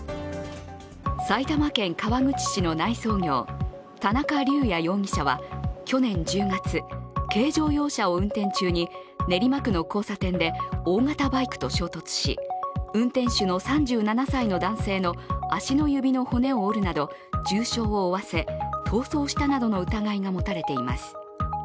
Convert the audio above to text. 埼玉県川口市の内装業、田中龍也容疑者は去年１０月、軽乗用車を運転中に練馬区の交差点で大型バイクと衝突し、運転手の３７歳の男性の足の指の骨を折るなど重傷を負わせ、逃走したなどの疑いが持たれています。